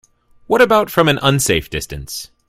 What about from an unsafe distance?